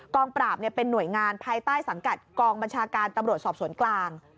ปราบเป็นหน่วยงานภายใต้สังกัดกองบัญชาการตำรวจสอบสวนกลาง